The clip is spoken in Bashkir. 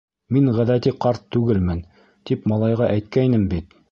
— Мин ғәҙәти ҡарт түгелмен, тип малайға әйткәйнем бит.